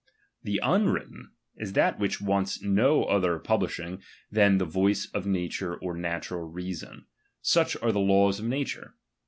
^1 The unwritten, is that which wants no other pub ^1 lishing than the voice of nature or natural reason ; ^B such are the laws of nature.